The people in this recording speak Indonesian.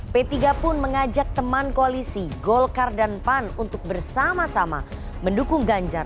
p tiga pun mengajak teman koalisi golkar dan pan untuk bersama sama mendukung ganjar